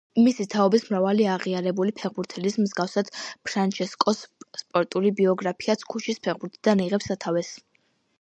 მისი თაობის მრავალი აღიარებული ფეხბურთელის მსგავსად, ფრანჩესკოს სპორტული ბიოგრაფიაც ქუჩის ფეხბურთიდან იღებს სათავეს.